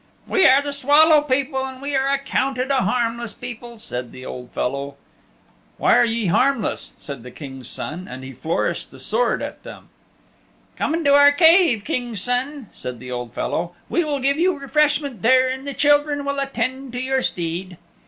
"We are the Swallow People and we are accounted a harmless people," said the old fellow. "Why are ye harmless?" said the King's Son, and he flourished the sword at them. "Come into our cave, King's Son," said the old fellow, "we will give you refreshment there, and the children will attend to your steed."